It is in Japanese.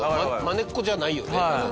マネっこじゃないよね